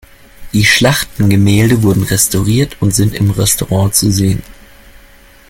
Die Schlachtengemälde wurden restauriert und sind im Restaurant zu sehen.